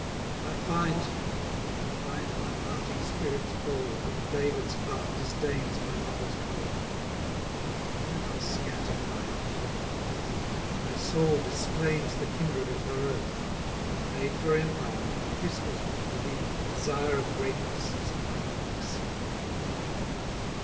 I find, I find my mounting spirits bold, And David's part disdains my mother's mould. Why am I scanted by a niggard birth? My soul disclaims the kindred of her earth; 370 And, made for empire, whispers me within, Desire of greatness is a god like sin.